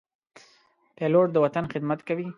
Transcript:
پیلوټ د وطن خدمت کوي.